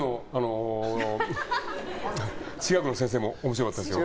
中学の先生も面白かったですよ。